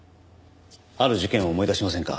ある事件を思い出しませんか？